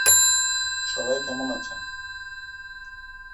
এটি পরিবেশের অণুজীব অধ্যয়নের একটি মৌলিক পদ্ধতি।